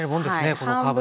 このカーブに。